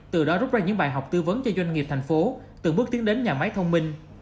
từ đó rút ra những bài học tư vấn cho doanh nghiệp thành phố từng bước tiến đến nhà máy thông minh